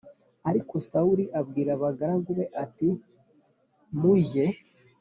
Ariko sawuli abwira abagaragu be ati mujye